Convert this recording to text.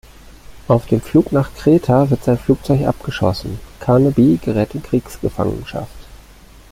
Auf dem Flug nach Kreta wird sein Flugzeug abgeschossen, Carnaby gerät in Kriegsgefangenschaft.